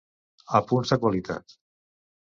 Apunts de qualitat.